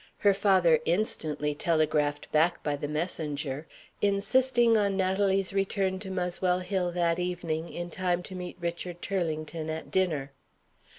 Her father instantly telegraphed back by the messenger, insisting on Natalie's return to Muswell Hill that evening, in time to meet Richard Turlington at dinner.